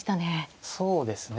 そうですね。